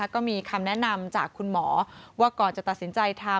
ก็มีคำแนะนำจากคุณหมอว่าก่อนจะตัดสินใจทำ